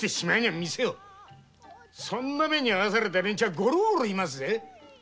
そんな目に遭わされた連中はゴロゴロいます。